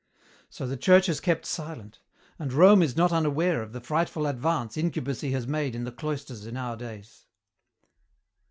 "So the Church has kept silent. And Rome is not unaware of the frightful advance incubacy has made in the cloisters in our days."